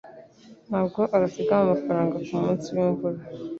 Ntabwo azigama amafaranga kumunsi wimvura.